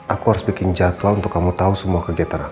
aku harus bikin jadwal untuk kamu tahu semua kegiatan